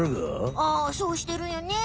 ああそうしてるよね。